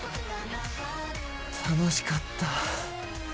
「楽しかった」